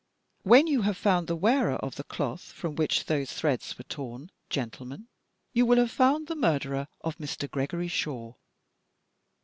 When you have found the wearer of the cloth from which those threads were torn, gentlemen, you will have found the murderer of Mr. Gregory Shaw."